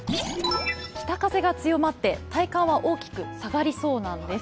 北風が強まって体感は大きく下がりそうなんです。